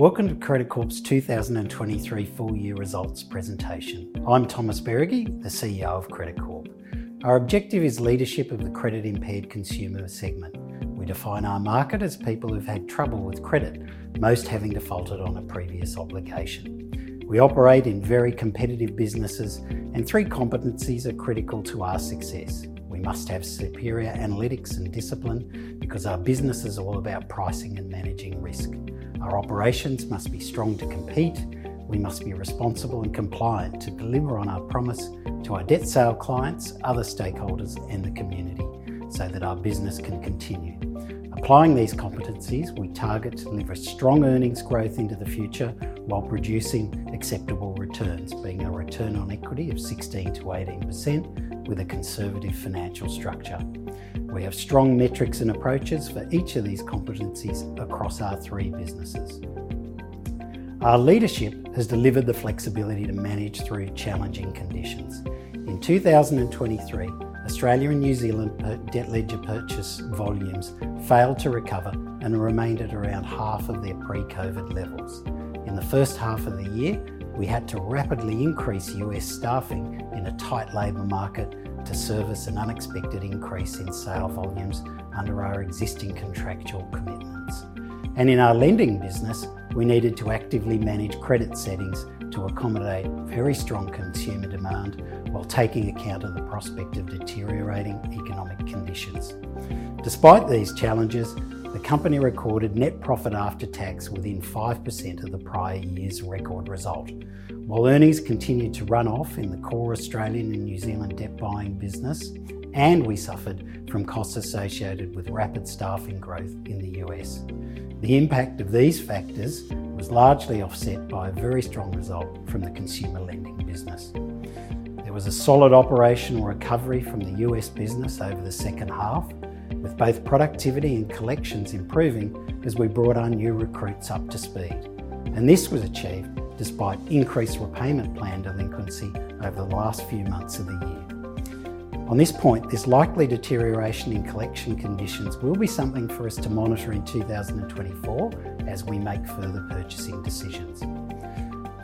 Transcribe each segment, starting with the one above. Welcome to Credit Corp's 2023 full year results presentation. I'm Thomas Beregi, the CEO of Credit Corp. Our objective is leadership of the credit-impaired consumer segment. We define our market as people who've had trouble with credit, most having defaulted on a previous obligation. We operate in very competitive businesses. Three competencies are critical to our success. We must have superior analytics and discipline because our business is all about pricing and managing risk. Our operations must be strong to compete. We must be responsible and compliant to deliver on our promise to our debt sale clients, other stakeholders, and the community so that our business can continue. Applying these competencies, we target to deliver strong earnings growth into the future while producing acceptable returns, being a return on equity of 16%-18% with a conservative financial structure. We have strong metrics and approaches for each of these competencies across our three businesses. Our leadership has delivered the flexibility to manage through challenging conditions. In 2023, Australia and New Zealand debtor ledger purchase volumes failed to recover and remained at around half of their pre-COVID levels. In the first half of the year, we had to rapidly increase US staffing in a tight labor market to service an unexpected increase in sale volumes under our existing contractual commitments. In our lending business, we needed to actively manage credit settings to accommodate very strong consumer demand while taking account of the prospect of deteriorating economic conditions. Despite these challenges, the company recorded net profit after tax within 5% of the prior year's record result. While earnings continued to run off in the core Australian and New Zealand debt buying business, and we suffered from costs associated with rapid staffing growth in the US, the impact of these factors was largely offset by a very strong result from the consumer lending business. There was a solid operational recovery from the US business over the second half, with both productivity and collections improving as we brought our new recruits up to speed, this was achieved despite increased repayment plan delinquency over the last few months of the year. On this point, this likely deterioration in collection conditions will be something for us to monitor in 2024 as we make further purchasing decisions.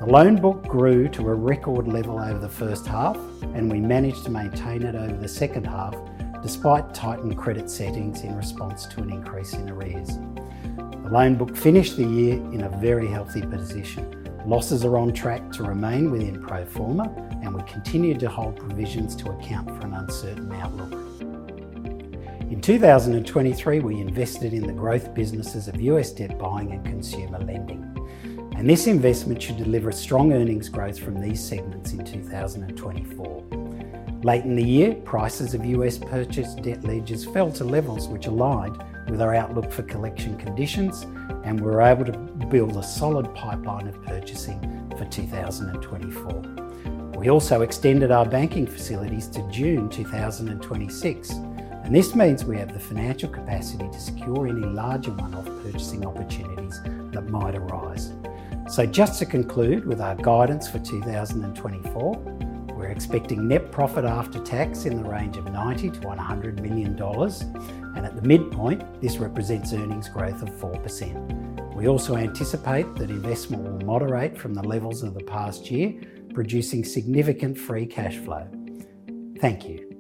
The loan book grew to a record level over the first half, and we managed to maintain it over the second half, despite tightened credit settings in response to an increase in arrears. The loan book finished the year in a very healthy position. Losses are on track to remain within pro forma, and we continued to hold provisions to account for an uncertain outlook. In 2023, we invested in the growth businesses of U.S. debt buying and consumer lending. This investment should deliver strong earnings growth from these segments in 2024. Late in the year, prices of U.S. purchased debt ledgers fell to levels which aligned with our outlook for collection conditions. We were able to build a solid pipeline of purchasing for 2024. We also extended our banking facilities to June 2026. This means we have the financial capacity to secure any larger one-off purchasing opportunities that might arise. Just to conclude with our guidance for 2024, we're expecting net profit after tax in the range of 90 million-100 million dollars. At the midpoint, this represents earnings growth of 4%. We also anticipate that investment will moderate from the levels of the past year, producing significant free cash flow. Thank you.